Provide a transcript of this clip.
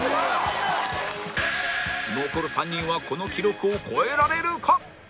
残る３人はこの記録を超えられるか？